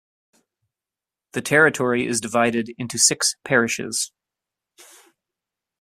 The territory is divided into six parishes.